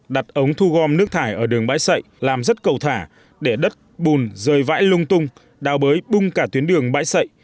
đặt ống thu gom nước thải ở đường bãi sậy làm rất cầu thả để đất bùn rơi vãi lung tung đào bới bung cả tuyến đường bãi sậy